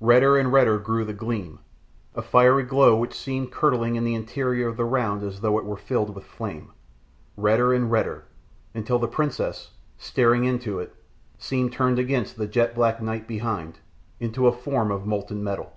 Redder and redder grew the gleam a fiery glow which seemed curdling in the interior of the round as though it were filled with flame; redder and redder, until the princess, staring into it, seemed turned against the jet black night behind, into a form of molten metal.